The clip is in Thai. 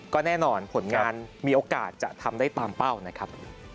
ก็แน่นอนผลงานมีโอกาสจะทำได้ตามเป้านะครับ